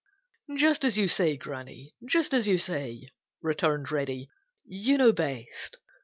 "Just as you say, Granny; just as you say," returned Reddy. "You know best.